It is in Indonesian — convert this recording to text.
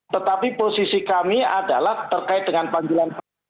tetapi posisi kami adalah terkait dengan panggilan